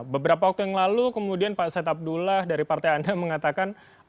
beberapa waktu yang lalu kemudian pak said abdullah dari partai anda mengatakan